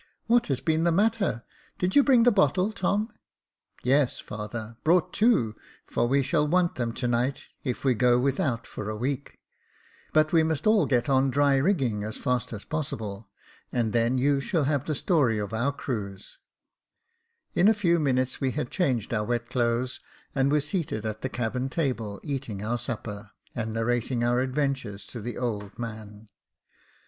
What has been the matter ? Did you bring the bottle, Tom ?"" Yes, father ; brought two, for we shall want them to night, if we go without for a week ; but we must all get on dry rigging as fast as possible, and then you shall have the story of our cruise." In a few minutes we had changed our wet clothes and were seated at the cabin table, eating our supper, and narrating our adventures to the old man.